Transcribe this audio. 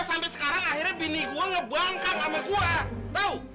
sampai sekarang akhirnya bini gue ngebongkar sama gue tau